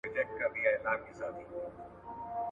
د څپو د زور یې نه ول مړوندونه ,